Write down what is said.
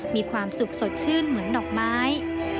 มีความสุขสดชื่นเหมือนดอกไม้